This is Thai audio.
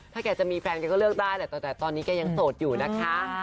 ถ้าแกจะมีแฟนแกก็เลือกได้แหละแต่ตอนนี้แกยังโสดอยู่นะคะ